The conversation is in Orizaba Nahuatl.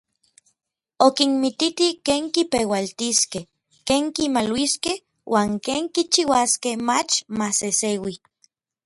Okinmititi ken kipeualtiskej, ken kimaluiskej uan ken kichiuaskej mach maseseui.